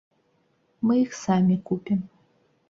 Мы іх самі купім.